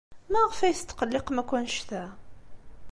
Maɣef ay tetqelliqem akk anect-a?